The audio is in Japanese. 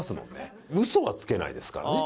嘘はつけないですからね。